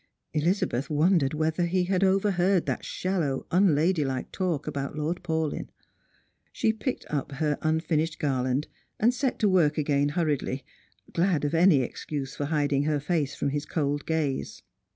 Elizabeth won dered whether he had overheard that shallow unlaihdike talk about Lord Paul}^. She picked up her unfinished garland, and set to work again hurriedly, glad of any excuse for hiding her face from his cold gaze.